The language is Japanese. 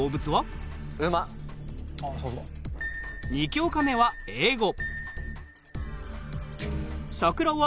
２教科目は英語。